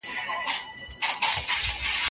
پوهه د تيارو پر وړاندې يوازينۍ وسله ده.